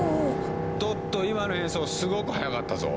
トット今の演奏すごく速かったぞ！